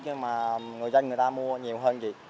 nhưng mà người dân người ta mua nhiều hơn